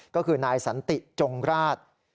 ก็คือนายสันติจงราช